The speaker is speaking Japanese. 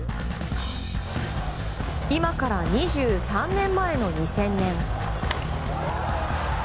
今から２３年前の２０００年。